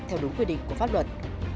theo đúng quy định của pháp luật